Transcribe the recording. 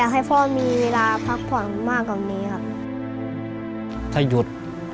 ให้พ่อมีเวลาพักผ่อนมากกว่านี้ครับถ้าหยุด